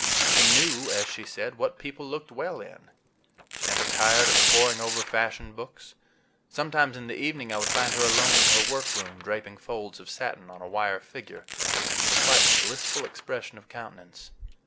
She knew, as she said, "what people looked well in." She never tired of poring over fashion books. Sometimes in the evening I would find her alone in her work room, draping folds of satin on a wire figure, with a quite blissful expression of countenance.